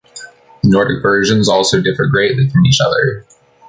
The Nordic versions also differ greatly from each other.